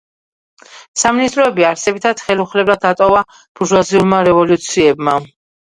სამინისტროები არსებითად ხელუხლებლად დატოვა ბურჟუაზიულმა რევოლუციებმა.